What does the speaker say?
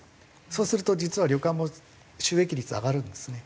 そうすると実は旅館も収益率上がるんですね。